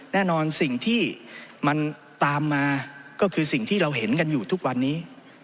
แน่นอนสิ่งที่มันตามมาก็คือสิ่งที่เราเห็นกันอยู่ทุกวันนี้